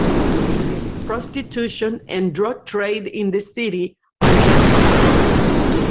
Prostitution and drug trade in the city are not uncommon.